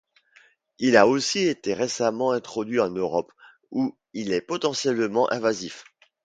Il a aussi été récemment introduit en Europe où il est potentiellement invasif.